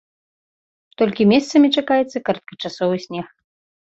Толькі месцамі чакаецца кароткачасовы снег.